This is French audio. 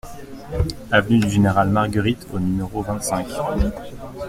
Avenue du Général Margueritte au numéro vingt-cinq